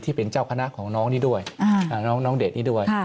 ที่เป็นเจ้าคณะของน้องนี่ด้วยน้องเดชนี่ด้วย